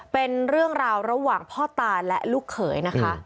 เป็นเรื่องราวระหว่างพ่อตาและลูกเขยนะคะ